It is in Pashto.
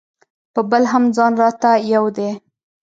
په بل هم ځان راته یو دی.